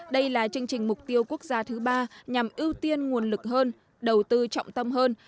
đây là chương trình mục tiêu quốc gia thứ ba nhằm ưu tiên nguồn lực hơn đầu tư trọng tâm hơn